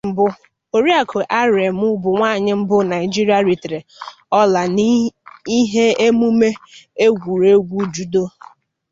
Oriakụ Aremu bụ nwaanyị mbu Naịjirịa ritere ola n'ihe emume egwuruegwu Judo.